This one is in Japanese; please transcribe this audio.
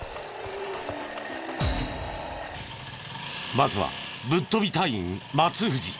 まずはぶっ飛び隊員松藤。